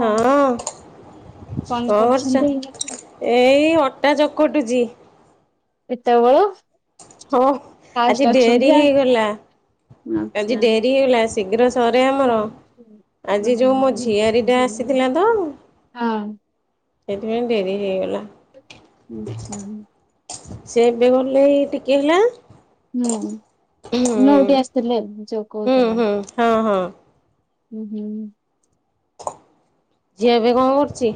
ହଁ ହାଲୋ କଣ କରୁଛନ୍ତି? ଏଇ ଅଟା ଚକଟୁଚି। ଏତେବେଳୁ ହଁ ଫାଷ୍ଟ ଆଜି ଅଛନ୍ତି ଡେରି ଆଉ। ହେଇଗଲା ଆଚ୍ଛା। ଆଜି ଡେରି ହେଇଗଲା ଶୀଘ୍ର ହଁ। ସରେ ଆମର ଆଜି ଯୋଉ ମୋ ଝିଆରୀ ଟା ଆସ ଥିଲା ତ ହଁ ସେଇଥିପାଇଁ ଡେରି ହେଇଗଲା। ସେ ଏ ବେ ଗଲେ ଏଇ ଟିକେ ହେଲା। ହୁଁ ହୁଁ ନଉଟି ଆସିଥିଲେ ଯୋଉ ହୁଁ କହୁଥିଲା। ହୁଁ ହଁ ହଁ। ହୁଁ ହୁଁଁ। ଝିଅ ଏବେ କଣ କରୁଛି?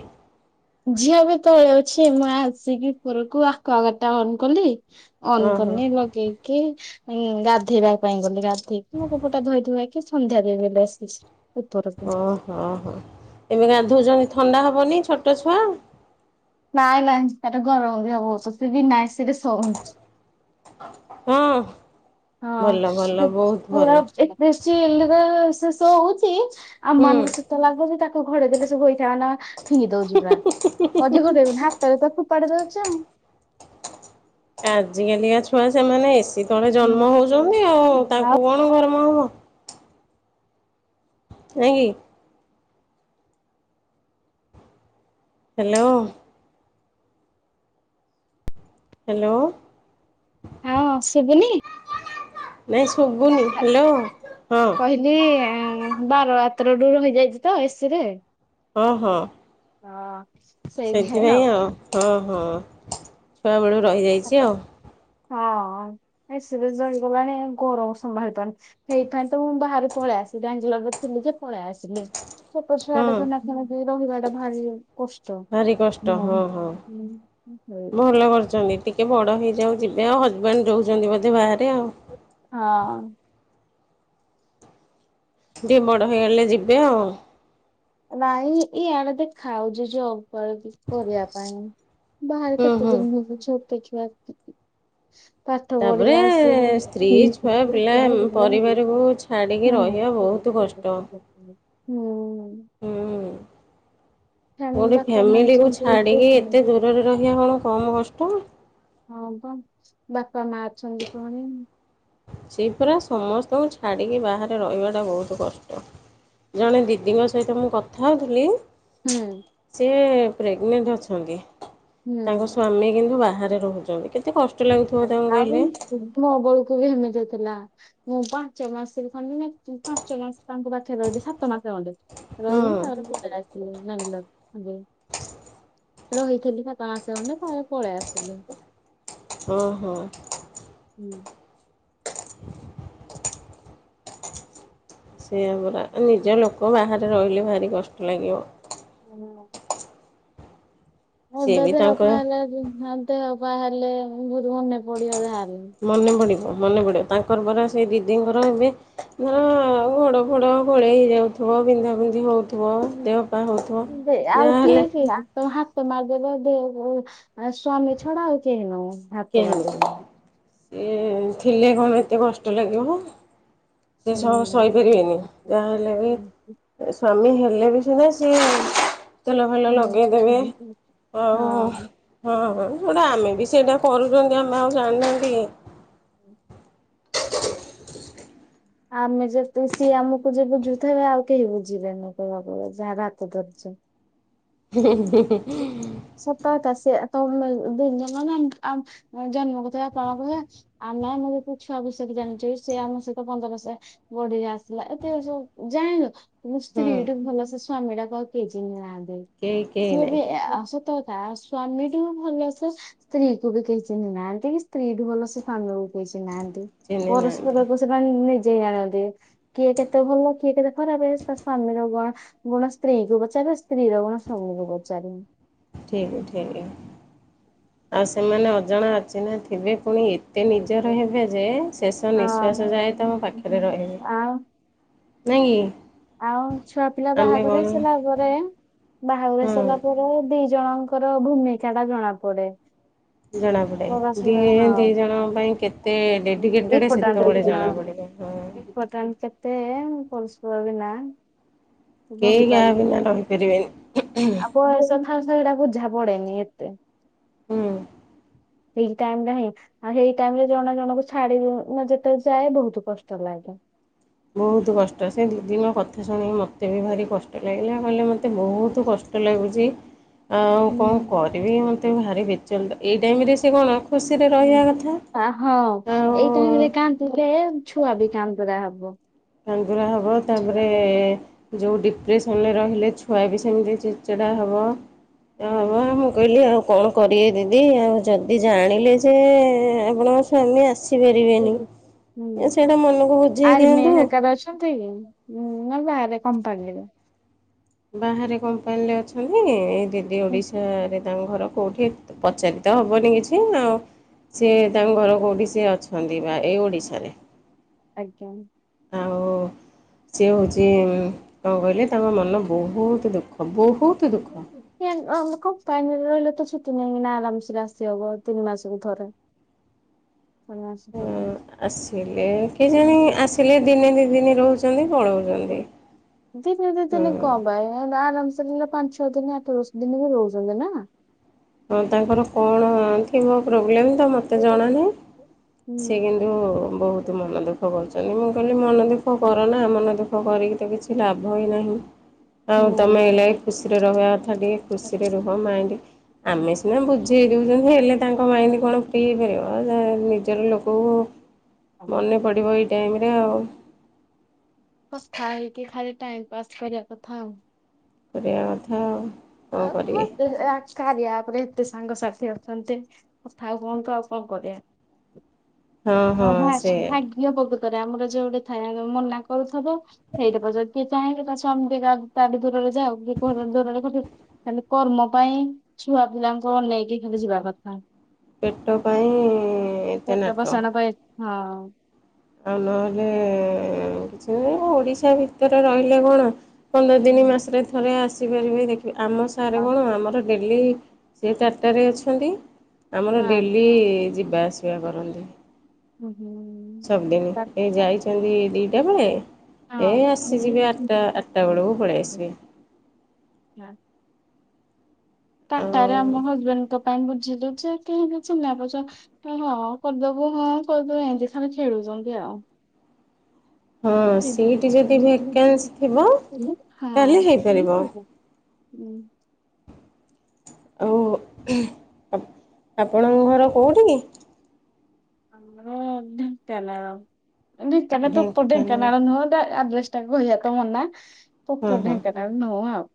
ଝିଅ ଏବେ ତଳେ ଅଛି ମୁଇ ଆସିକି ଉପରକୁ ଆଖୁଆ ଗଡ ଟା ଅନ୍ କଲି। ଅନ୍ ଓହୋ କରିନି ଲଗେଇକି। କି ଉଁ ଗାଧେଇବା ପାଇଁ ଗଲେ ଗାଧେଇକି ମୋ ଲୁଗା ପଟା ଧୋଇ ଧୂଆକି ସନ୍ଧ୍ୟାାରେ ଗଲେ ଆସି। ଓହୋହୋ ଏବେ ଗାଧଉ ଛନ୍ତି ଥଣ୍ଡା ହବନି ଛୋଟ ଛୁଆ। ନାଇଁ ନାଇଁ ତାର ଗରମ ବି ହବ ସେ ତ ବିନା ଏସି ରେ ଶଉୁଛି। ହଁ। ହଁ ଭଲ ଭଲ [unintelligible] ବହୁତ ପୁରା। ଭଲ। ବେଶୀ ଏଇନିକା ସେ ସଉଛି ଆମ ହୁଁ ମାନ କୁ ଶୀତ ଲାଗୁଛି ତାକୁ ତା ଘଡେଇ ଦେଲେ ସବୁ [unintelligible] ନା ଫିଙ୍ଗି ଦଉଛି ପୁରା [unintelligible] ଭାତ ଫୁପାଡି ଦଉଛି ଆଉ। ଆଜି କାଲିକା ଛୁଆ ସେମାନେ ଏସି ତଳେ ଜନ୍ମ ହଉଛନ୍ତି ଆଉ ତାଙ୍କୁ କଣ ଗରମ ହବ। ନାହିଁ କି। ହ୍ୟାଲୋ। ହ୍ୟାଲୋ। ହଁ ଶୁବୁନି। ନାଇଁ ଶୁଭୁନି ହ୍ୟାଲୋ ହଁ। କହିଲି ବାର ଆତରୁ ର ହେଇଯାଇଛି ତ ଏସିି ରେ। ହଁ ହଁ। ହଁ। ସେଥିପାଇଁ ଆଉ ହଁ ହଁ ଛୁଆବେଳୁ ରହିଯାଇଛି ଆଉ। ହଁ ଏସି ରେ ରଇଗଲାଣି ଗରମ ସମ୍ଭାଳି ପାରୁନି। ସେଇପାଇ ତ ମୁଁ ବାହାରେ ପଳେଇ ଆସିଲି ବ୍ୟାଙ୍ଗୋଲରେ ଥିଲି ଯେ ପଳେଇ ଆସିଲି। ଛୋଟ ଛୁଆଟା ହଁ ଧନ ଖନ ରହିବା ଟା ଭାରି କଷ୍ଟ। ଭାରି କଷ୍ଟ [inaudible] ହଁ ହଁ। ଭଲ ଟିକେ ବଡ ହେଇଯାଉ ଯିବେ ଆଉ ହଜବେଣ୍ଡ ରହୁଛନ୍ତି ବୋଧେ ବାହାରେ ଆଉ। ହଁ। ଟିକେ ବଡ଼ ହୋଇଗଲେ ଯିବେ ଆଉ। ନାଇଁ ଇ ଆଡେ ଦେ ଖାଉଛି ଯବ ଫବ କିଛି କରିବା ପାଇଁ ବାହାରେ ହୁଁ କେତେ ହୁଁ। ଦିନ ରହିବୁ ଛୋଟ ଛୁଆ। ତାପରେ ସ୍ତ୍ରୀ ଛୁଆ ହୁଁ ପିଲା ପରିବାରକୁ ଛାଡିକି ରହିବା ବହୁତ କଷ୍ଟ। ତ। ହୁଁ। ହୁଁ ଫ୍ୟାମିଲି ଗୋଟେ ବାପା ମା ଫ୍ୟାମିଲି କୁ ଅଛନ୍ତି। ଛାଡିକି ଏତେ ଦୂ। ରରେ ରହିବା କଣ କମ୍ କଷ୍ଟ। ହଁ ପା ବାପା ମା ଅଛନ୍ତି ଫୁଣି। ସେଇପରା ସମସ୍ତଙ୍କୁ ଛାଡ଼ିକି ବାହାରେ ରହିବାଟା ବହୁତ କଷ୍ଟ। ଜଣେ ଦିଦିଙ୍କ ସହିତ ମୁଁ କଥା ହେଉଥିଲି। ହୁଁ। ସିଏ ପ୍ରେଗନଣ୍ଟ ଅଛନ୍ତି ତାଙ୍କ ହୁଁ। ସ୍ଵାମୀ କିନ୍ତୁ ବାହାରେ ରହୁଛନ୍ତି କେତେ କଷ୍ଟ। ଲାଗୁଥିବ ତାଙ୍କୁ ଆଉ କହିଲେ? ମୋ ବଳକୁ ବି ହେମିତି ହେଇଥିଲା। ମୁଁ ପାଞ୍ଚ ମାସେରେ [unintelligible] ପାଞ୍ଚ ମାସ ତାଙ୍କ ପାଖେରେ ରହିଲି ସାତ ମାସ ଖଣ୍ଡେ। ହଁ ରହିଲି ତାପରେ ଭଲରେ ଆସିଲି ବାଙ୍ଗାଲୋର ଏବେ। ରହିଥିଲି ପା [unintelligible] ଫୁଣି ପଳେଇ ଆସିଲି। ଓ ହୋ। ହୁଁ। ସେଇଆ ପରାା ନିଜ ଲୋକ ବାହାରେ ରହିଲେ ଭାରି କଷ୍ଟ ଲାଗିବ। [unintelligible] ସିଏ ଓଦା ବି ଦେହ ତାଙ୍କ ପା ହେଲା ଦେହ ପା ହେଲେ ବହୁତ ମନେ ପଡିବ ଯାହେଲେବି। ମନେ ପଡ଼ିବ ମନେ ପଡ଼ିବ ତାଙ୍କର ପରା ସେଇ ଦିଦିଙ୍କର ବି ହଁ ଗୋଡ ପୋଡ ଗୋଳେଇ ହେଇଯାଉଥିବ ବିନ୍ଧା ବିନ୍ଧି ହଉ ଥିବ ଦେହପା ହଉଥିବ ଯାହାହେଲେ ତମେ ହାତ ମାରିଦେବ ଦେହକୁ ସ୍ଵାମୀ ଛଡା ଆଉ କେହି ନଉ। [unintelligible] ସେ ଥିଲେ କଣ ଏତେ କଷ୍ଟ ଲାଗିବ। ସେ ହୁଁ ସ-ସହିପାରିବେନି। ଯାହାହେଲେ ବି ସ୍ବାମୀ ହେଲେ ବି ସିନା ସିଏ ତେଲ ପେଲ ହୁଁ। ଲଗେଇଦେବେ ଆଉ ହଁ ହଁ ସେଟା ଆମେ ବି ସେଇଟା କରୁଛନ୍ତି ଆମେ ଆଉ ଜାଣିନାହାନ୍ତି କି? ହୁଁ। ଆମେ ଯେତେ ସିଏ ଆମକୁ ଯେତେ ବୁଝୁଥିବେ ଆଉ କେହି ବୁଝିବେନି [unintelligible] ଯାହାର ହାତ ଧରିଚେ। [inaudible] [unintelligible] [unintelligible] ବଢ଼ିକି ଆସିଲା ଏତିକ ସବୁ ଜାଇଂଲୁ। ମୁଁ ସ୍ତ୍ରୀ ଟୁ ଭଲ ସେ ସ୍ଵାମୀ ଟାକୁ ହୁଁ ଆଉ କେହି ଚିହ୍ନି ନାହାନ୍ତି। କେହି କେହି ସିଏ ନାହିଁ ବି ଏ ଆ ସତ କଥା ସ୍ଵାମୀ ଠୁ ଭଲସେ ସ୍ତ୍ରୀ କୁ ବି କେହି ଚିହ୍ନିନାହାନ୍ତି କି ସ୍ତ୍ରୀଠୁ ଭଲସେ ସ୍ବାମୀକୁ କେହି ଚିହ୍ନି ନାହାନ୍ତି ଚିହ୍ନି ନାହାନ୍ତି ପରସ୍ପରକୁ ସେମାନେ ନିଜେ ହି ଜାଣନ୍ତି କିଏ କେତେ ଭଲ କିଏ କେତେ ଖରାପେ ତା ସ୍ଵାମୀର ଗୁଣ ଗୁଣ ସ୍ତ୍ରୀ କୁ ପଚାରିବ ସ୍ତ୍ରୀ ର ଗୁଣ ସ୍ବାମୀ କୁ ପଚାରିବ। ଠିକ୍ ଠିକ୍ ଆଉ ସେମାନେ ଅଜଣା ଅଚିହ୍ନା ଥିବେ ପୁଣି ଏ ତେ ନିଜର ହେବେ ଯେ ଶେଷ ହଁ ନିଶ୍ଵାସ ଯାଏ ତମ ପାଖେରେ ରହିବେ। ଆଉ ନାଇଁ କି? ଆଉ ଛୁଆ ପିଲା ଆମେ ବାହାଘର କଣ ହେଇ ସାରିଲା ପରେ ବାହାଘର ହେଇ ହଁ ସାରିଲା ପ ରେ ଦି ଜଣଙ୍କର ଭୂମିକା ଟା ଜଣା ପଡେ। ଜଣାପଡ଼େ [unintelligible] ଦି ଦି ଜଣଙ୍କ ପାଇଁ କେତେ ଡେଡିକେଟେଡ୍ ସେତେବେଳେ ଜଣାପଡ଼ିବ ହଁ। ଇମ୍ପୋଟାଣ୍ଟ କେତେ ପରସ୍ପର ବିନା କେହି ରହିପାରିବି। କହାବିନା ରହିପରିବେନି। ଆଉ ବୟସ ଥାଉ ଥାଉ ହେଟା ବୁଝା ପଡେନି ଏତେ। ହଁ। [unintelligible] ଆଉ ହେଇ ଟାଇମ ରେ ଜଣେ ଜଣଙ୍କୁ ଛାଡି ଦିଅ ଯେତେବେଳେ ଯାଏ ବହୁତ କଷ୍ଟ ଲାଗେ। ବହୁତ କଷ୍ଟ ସେ ଦିଦି ଙ୍କ କଥା ଶୁଣିକି ମୋତେ ବି ଭାରି କଷ୍ଟ ଲାଗିଲା କହିଲେ ମୋ ତେ ବହୁତ କଷ୍ଟ ଲାଗୁଛି। ଆଉ କଣ କରିବି ହୁଁ ମୋତେ ଭାରି ବି ଚଳିତ ଏଇ ଟାଇମ୍ ରେ ସେ କଣ ଖୁସିରେ ହୁଁ। ରହିବା କଥା? ଆ ହଁ ଏଇ ଟାଇମ ରେ ଆଉ କାନ୍ଦିବେ ଛୁଆ ବି କାନ୍ଦରା ହବ। [unintelligible] ହବ ତାପରେ ଯେଉ ଡିପ୍ରେସନରେ ରହିଲେ, ଛୁଆ ବି ସେମିତି ଚିଡ଼ଚିଡ଼ା ହେବ। ଇ ଏ ହୁଁ ହବ ଆମ୍ କହିଲି ଆଉ କଣ କରିବେ ଦିଦି ଆଉ ଯଦି ଜାଣିଲେ ଯେ ଆପଣଙ୍କ ସ୍ୱାମୀ ଆସି ସିପାରିବେନି। ହୁଁ ସେଇଟା ମନକୁ ବୁଝେଇ ଦିଅନ୍ତୁ। [unintelligible] ମୁଁ ବାହାରେ କମ୍ପାନୀ ରେ। ବାହାରେ କମ୍ପାନୀରେ ଅଛନ୍ତି, ଏ ଦିଦି ଓଡିଶାରେ ତାଙ୍କ ଘର କେଉଠି ପଚାରି ତ ହବନି କିଛି ଆଉ। ସିଏ ତାଙ୍କ ଘର କୋଉଠି ସିଏ ଅଛନ୍ତି ବା ଏଇ ଓଡ଼ିଶାରେ। ଆଜ୍ଞା। ଆଉ ସିଏ ହେଉଛି କଣ କହିଲେ ତାଙ୍କ ମନ ବହୁତ ଦୁଃଖ ବହୁତ୍ ଦେଇଦେଇଛି? [unintelligible] କମ୍ପାନୀରେ ରହିଲେ ତ ଛୁଟି ନେଇକିନା ଆରାମ୍ସେରେ ଆସି ହବ ତିନି ମାସକୁ ଥରେ। ତିନି ମାସକୁ ଥରେ। ଆସିଲେ କେଜାଣି ଆସିଲେ ଦିନେ ଦି ଦିନ ରହୁଛନ୍ତି ପଳଉ ଦିନେ ଦିଦିନ କମ୍ [unintelligible] ଆରାମ୍ସେରେ ପାଞ୍ଚ ଛଅ ଦିନ ଆଠ ଦଶ ଦିନ ବି ରହୁଚନ୍ତି ନା? ହଁ ତାଙ୍କର କଣ କି ମୋ ପ୍ରୋବ୍ଲେମ୍ ତ ମୋତେ ଜଣାନାହିଁ ସିଏ କିନ୍ତୁ ବହୁତ୍ ତୁ ମନ ଦୁଃଖ କରୁଚନ୍ତି, ମୁଁ କହିଲି ମନ ଦୁଃଖ କରନା ମନ ଦୁଃଖ କରିକି ତ କିଛି ଲାଭ ହିଁ ନାହିଁ। ହୁଁ ହଁ ତମେ ଏଇ ହୁଁ। ଲାଗି ଖୁସିରେ ରହିବା କଥା ଟିକେ ଖୁସିରେ ରୁହ ମାଇଣ୍ଡ ଆମେ ସିନା ବୁଝ [unintelligible] ହେଲେ ତାଙ୍କ ମାଇଣ୍ଡ କଣ ଫ୍ରି ହେଇପାରିବ ନିଜର ଲୋକକୁ ମନେ ପଡିବ ଏଇ ଟାଇମରେ ଆଉ। କଥା ହେଇକି ଖାଲି ଟାଇମ୍ ପାସ୍ କରିବା କଥା ଆଉ। କରିବା କଥା ଆଉ। କଣ ଆଉ କରିବେ [unintelligible] କାର୍ୟା ଆପ୍ ରେ ଏତେ ସାଙ୍ଗସାଥି ଅଛନ୍ତି କଥା ହୁଅନ୍ତୁ ଆଉ କଣ କରିବା। ହଁ ହଁ ଆମ ସେ ଭାଗ୍ୟ ବୋଦକରେ ଆମର ଯୋଉ ଗୋଟେ ଥାଏ ମନା କରୁଥିବ [unintelligible] ଚାହିଁଲେ ତା ସ୍ୱାମୀ ତାଠୁ ଦୂରରେ ଯାଉ କି କହ ଦୂରରେ ଖାଲି କର୍ମ ପାଇଁ ଛୁଆ ପିଲାଙ୍କୁ ଅନେଇକି ଖାଲି ଯିବା କଥା। ପେଟ ପାଇଁ ଏତେ ପେଟ ନାଟ। [unintelligible] ହଁ। ଆଉ ନହେଲେ କିଛି ନାହିଁ ଓଡିଶା ଭିତରେ ରହିଲେ କଣ ପନ୍ଦର ଦିନି ମାସରେ ଥରେ ଆସିପାରିବେ ଦେଖିବେ, ଆମ ସାରେ ହଁ କଣ ଆମର ଡେଲି ସିଏ ଟାଟାରେ ଅଛନ୍ତି ଆମର ଡେଲି ହଁ। ଯିବା ଆସିବା କରନ୍ତି। ହୁଁ-ହୁଁ। ସବୁଦିନ ଏଇ ଯାଇଚନ୍ତି ଦିଟା ବେଳେ ଏଇ ହଁ। ଆସିଯିବେ ଆଠଟା-ଆଠଟା ବେଳକୁ ପଳେଇ ଆସିବେ। [unintelligible] ଟାଟାରେ ଆଉ ଆମ ହଜବେଣ୍ଡଙ୍କ ପାଇଁ ବୁଝିଲୁ ଯେ କେହିବି ଚିହ୍ନା ପରିଚ ହଁ କରିଦବୁ ହଁ କରିଦବୁ ଏମ୍ତି ଖାଲି ଖେଳୁଚନ୍ତି ଆଉ। ହଁ ସିଟ୍ ଯଦି ଭେକେନ୍ସି ଥିବ ତାହେଲେ ହେଇପାରିବ। ହୁଁ। ଆଉ ଆପଣଙ୍କ ଘର କୋଉଠି କି? ଆମର ଢେଙ୍କାନାଳ [unintelligible] ପପର୍ ଢେଙ୍କାନାଳ ନୁହଁ ଏଟା ଆଡ୍ରେସ୍ ତା କହିବା ତ ମନା ହଁ ପପର୍ ହଁ ଢେଙ୍କାନାଳ ନୁହଁ ଆଉ।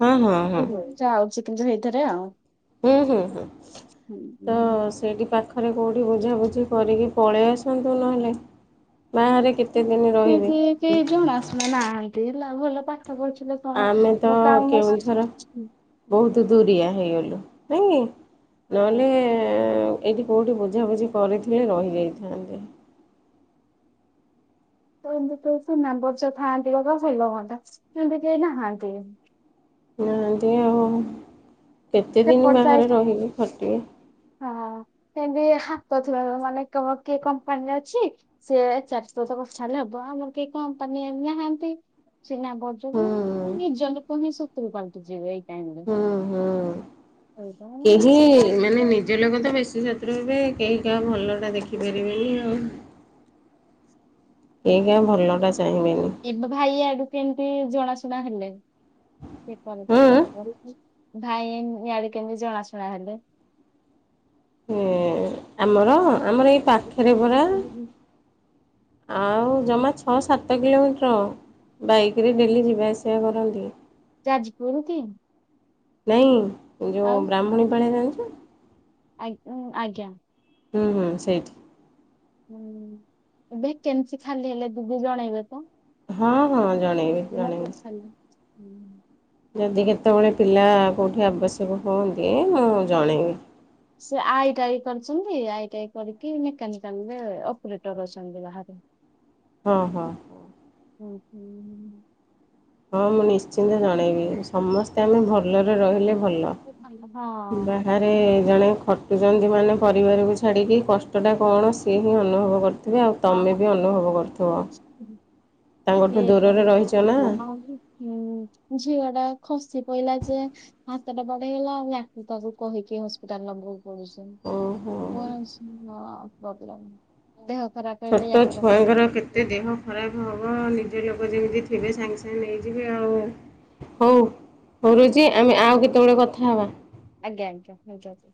ହଁ ହଁ ହଁ ଯାଉଛି କିନ୍ତୁ ସେଇଥେରେ ଆଉ। ହୁଁ-ହୁଁ-ହୁଁ ତ ସେଇଠି ପାଖରେ କୋଉଠି ବୁଝାବୁଝି କରିକି ପଳେଇ ଆସନ୍ତୁ ନହେଲେ ବାହାରେ କେତେଦିନ ରହିବେ। କେହି କେହି ଜଣାଶୁଣା ନାହାନ୍ତି ହେଲା, ଭଲ ପାଠ ପଢୁଥିଲେ କଣ ଆମେ ତ ମୋ କାମ ହଁ କେଉଁଝର ବହୁତୁ ଦୁରିଆ ହେଇଗଲୁ ନାଇଁ କି ତ ନହେଲେ ଏଇଠି କୋଉଠି ବୁଝାବୁଝି କରିଥିଲେ ରହିଯାଇଥାନ୍ତେ। ତ ଏମିତି ତ ଚିହ୍ନାପରିଚ ଥାଆନ୍ତି [unintelligible] ହେଲେ ହନ୍ତା ସିନ୍ତି କେହି ନାହାନ୍ତି। ନାହାନ୍ତି ଆଉ କେତେ ଦିନ ସେପଟ ବାହାରେ ସାଇଟ୍ ରହିବି ଖଟିବେ। ହଁ ସେମିତି ହାତ ଥିଲା ମାନେ କିଏ କମ୍ପାନୀରେ ଅଛି। ସିଏ ଏ ଚାରିଟୋକତ ଛାଡିଲେ ହବ ଆଁ ମୋର କିଏ କମ୍ପାନିଆଣି ନାହାନ୍ତି। ଚିହ୍ନା ପରିଚିତ ହୁଁ ନିଜ ଲୋକ ହିଁ ଶତ୍ରୁ ପାଲଟି ଯିବେ। ହୁଁ ହୁଁ। ସେଇପା। କେହି ମାନେ ନିଜ ଲୋକ ତ ବେଶୀ ଶତ୍ରୁ ହେବେ କେହି କାହା ଭଲ ଟା ଦେଖିପାରିବେନି ଆଉ। କେଇ କା ଭଲ ଟା ଚାହିଁବେନି। ଏବେ ଭାଇ ଆଡୁ କେମତି ଜଣାଶୁଣା ହେଲେ କିଏ କରିଦଲେ ହୁଁ। [unintelligible] ଭାଇ ଇଆଡେ କେମିତି ଜଣାଶୁଣା ହେଲେ। ହୁଁ ଆମର ଆମର ଏଇ ପାଖରେ ପରା ଆଉ ଜମା ଛଅ ସାତ କିଲୋମିଟର। ବାଇକ ରେ ଡେଲି ଯିବା ଆସିଆ କରନ୍ତି। ଯାଜପୁର କି? ନାଇଁ ଯୋଉ ବ୍ରାହ୍ମଣୀ ପାଳେ ଜାଣିଚୁ। ଆଗ ଆଜ୍ଞା। ହୁଁ ହୁଁ ସେଇଠି। ହୁଁ ଭେକେନ୍ସି ଖାଲି ହେଲେ ଦିଦି ଜଣେଇବେ ତ। ହଁ ହଁ ଜଣେଇବି ମେକାନିକାଲ ଜଣେଇବି। ଖାଲି। ହୁଁ। ଯଦି କେତେବେଳେ ପିଲା କୋଉଠି ଆବଶ୍ୟକ ହୁଅନ୍ତି ମୁଁ ଜଣେଇବି। ସେ ଆଇଟାଇ କରିଚ଼ନ୍ତି ଆଇଟାଇ କରିକି ମେକାନିକାଲରେ ଅପରେଟର ଅଛନ୍ତି ବାହାରେ। ହଁ ହଁ। ହୁଁ ହୁଁ। ହଁ ମୁଁ ନିଶ୍ଚିନ୍ତ ଜଣେଇବି ସମସ୍ତେ ଆମେ ଭଲରେ ରହିଲେ ଭଲ। ହଁ। ଆରେ ଜଣେ ଖଟୁଚ଼ନ୍ତି ମାନେ ପରିବାରକୁ ଛାଡ଼ିକି କଷ୍ଟଟା କଣ ସିଏ ହିଁ ଅନୁଭବ କରୁ ଥିବେ ଆଉ ତମେ ବି ଅନୁଭବ କରୁଥିବ। ଉଁ ହୁଁ। ତାଙ୍କଠୁ ଦୂରରେ ରହିଚ ନା। ହୁଁ ଝିଅ ଟା ଖସି ପଇଲା ଯେ ହାତଟା ବାଡେଇ ହେଲା ୟାକୁ ତାକୁ କହିକି ହସ୍ପିଟାଲ ନବୁ। ଓହୋ। [unintelligible] ପ୍ରୋବେଲେମ ଦେହ। ଖରାପ ହେଲେ ଛୋଟ ୟାକୁ ଛୁଆଙ୍କର କେତେ ଦେହ ଆଜ୍ଞା ଖରାପ ହଁ ବା ନିଜ ଲୋକ ଯେମିତି ଥିବେ ସାଙ୍ଗେ ସାଙ୍ଗେ ନେଇଯିବେ ଆଉ। ହଉ କରୁଚି ଆମେ ଆଉ କେତେବେଳେ କଥା ହବା। ଆଜ୍ଞା ଆଜ୍ଞା ହେଉ ଜାଉଛି।